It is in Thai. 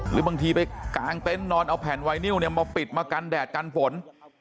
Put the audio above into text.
หรือบางทีไปกางเต็นต์นอนเอาแผ่นไวนิวเนี่ยมาปิดมากันแดดกันฝน